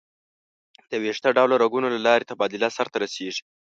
د ویښته ډوله رګونو له لارې تبادله سر ته رسېږي.